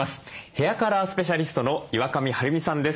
ヘアカラースペシャリストの岩上晴美さんです。